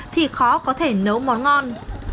thì khó có thể nấu món ngon